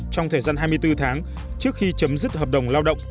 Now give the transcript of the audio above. trong thời gian hai mươi bốn tháng trước khi chấm dứt hợp đồng lao động